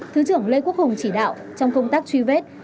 thứ trưởng lê quốc hùng chỉ đạo trong công tác truy vết